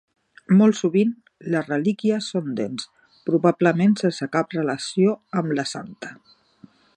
Molt sovint, les relíquies són dents, probablement sense cap relació amb la santa.